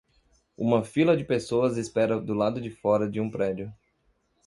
Uma fila de pessoas espera do lado de fora de um prédio.